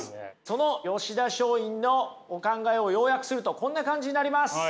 その吉田松陰のお考えを要約するとこんな感じになります。